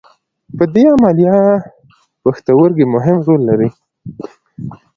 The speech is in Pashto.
په دې عملیه پښتورګي مهم رول لري.